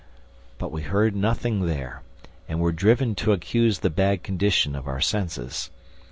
But we heard nothing there and were driven to accuse the bad condition of our senses.